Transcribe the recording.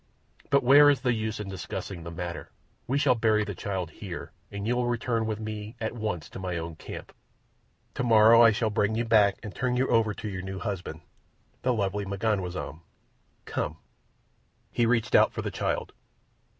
"But where is the use in discussing the matter? We shall bury the child here, and you will return with me at once to my own camp. Tomorrow I shall bring you back and turn you over to your new husband—the lovely M'ganwazam. Come!" He reached out for the child.